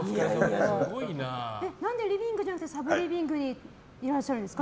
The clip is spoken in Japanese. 何でリビングじゃなくてサブリビングにいらっしゃるんですか？